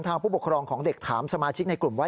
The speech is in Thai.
ผู้ปกครองของเด็กถามสมาชิกในกลุ่มว่า